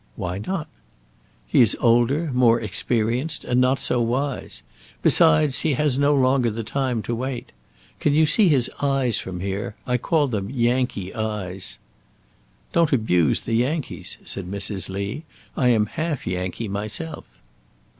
"Why not?" "He is older, more experienced, and not so wise. Besides, he has no longer the time to wait. Can you see his eyes from here? I call them Yankee eyes." "Don't abuse the Yankees," said Mrs. Lee; "I am half Yankee myself."